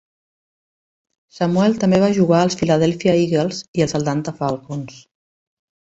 Samuel també va jugar per als Philadelphia Eagles i els Atlanta Falcons.